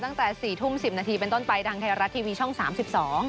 ตั้งแต่สี่ทุ่มสิบนาทีเป็นต้นไปทางไทยรัฐทีวีช่องสามสิบสอง